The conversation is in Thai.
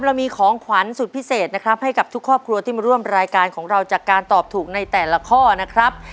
เรามีของขวัญสุดพิเศษนะครับให้กับทุกครอบครัวที่มาร่วมรายการของเราจากการตอบถูกในแต่ละข้อนะครับ